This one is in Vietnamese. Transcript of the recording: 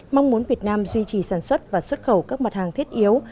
mong muốn việt nam duy trì sản xuất và xuất khẩu các mặt hàng thiết yếu